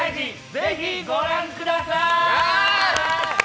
ぜひご覧ください！